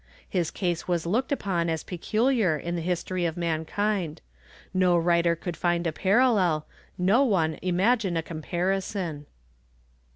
His case was looked upon as peculiar in the history of mankind; no writer could find a parallel, no one imagine a comparison.